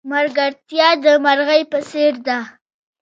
ملگرتیا د مرغی په څېر ده.